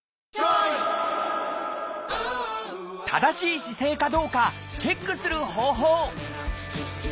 正しい姿勢かどうかチェックする方法